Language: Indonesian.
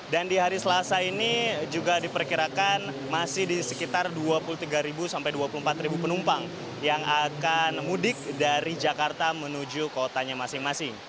dan di hari selasa ini juga diperkirakan masih di sekitar dua puluh tiga sampai dua puluh empat penumpang yang akan mudik dari jakarta menuju kotanya masing masing